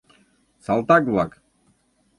Салтак-влак!